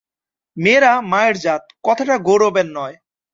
মেয়েরা মায়ের জাত, কথাটা গৌরবের নয়।